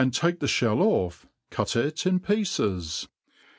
take the (hell off, cut it in pieces.